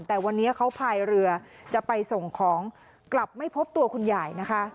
แต่วันนี้เขาพายเรือจะไปส่งของกลับไม่พบตัวคุณยายนะคะ